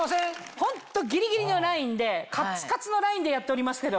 ホントギリギリのラインでカツカツのラインでやっておりますけど。